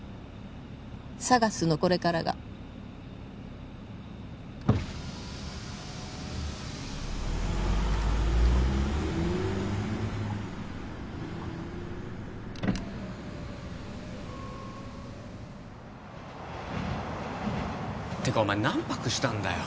ＳＡＧＡＳのこれからがてかお前何泊したんだよ？